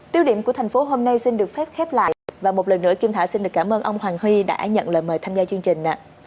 tiêu điểm của thành phố hôm nay xin được phép khép lại và một lần nữa kim thả xin được cảm ơn ông hoàng huy đã nhận lời mời tham gia chương trình